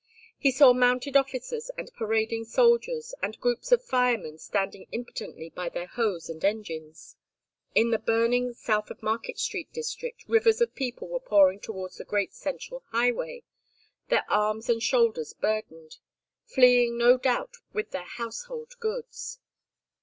He saw mounted officers and parading soldiers, and groups of firemen standing impotently by their hose and engines. In the burning South of Market Street district rivers of people were pouring towards the great central highway, their arms and shoulders burdened; fleeing no doubt with their household goods.